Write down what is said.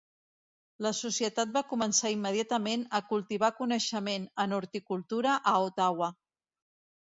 La Societat va començar immediatament a cultivar coneixement en horticultura a Ottawa.